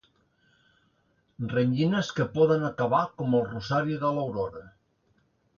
Renyines que poden acabar com el rosari de l'aurora.